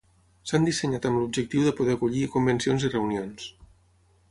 S'han dissenyat amb l'objectiu de poder acollir convencions i reunions.